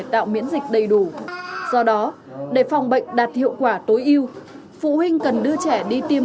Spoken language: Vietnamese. tạo miễn dịch đầy đủ do đó để phòng bệnh đạt hiệu quả tối ưu phụ huynh cần đưa trẻ đi tiêm